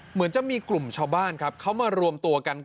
เหมือนจะมีกลุ่มชาวบ้านครับเขามารวมตัวกัน